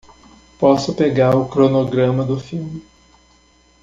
Posso pegar o cronograma do filme